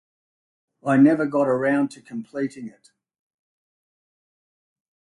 It was never developed fully, I never got around to completing it.